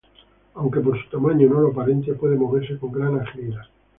Aunque por su tamaño no lo aparente, puede moverse con gran agilidad.